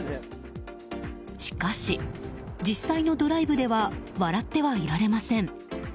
しかし実際のドライブでは笑ってはいられません。